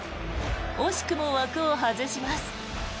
惜しくも枠を外します。